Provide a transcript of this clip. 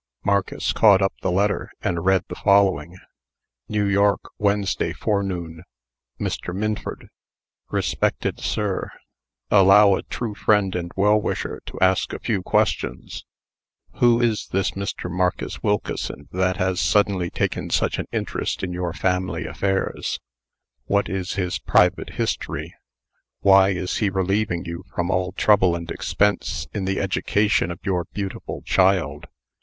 Marcus caught up the letter, and read the following: NEW YORK, Wednesday Forenoon. MR. MINFORD: RESPECTED SIR: Allow a true friend and well wisher to ask a few questions. Who is this Mr. Marcus Wilkeson that has suddenly taken such an interest in your family affairs? What is his private history? Why is he relieving you from all trouble and expense in the education of your beautiful child?